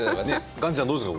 岩ちゃん、どうですか？